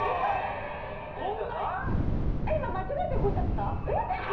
こんな今間違って動いちゃった？